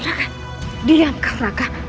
rake diamkan rake